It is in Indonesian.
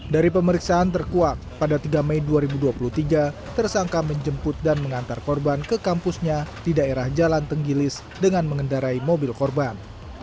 dari pemeriksaan terkuat pada tiga mei dua ribu dua puluh tiga tersangka menjemput dan mengantar korban ke kampusnya di daerah jalan tenggilis dengan mengendarai mobil korban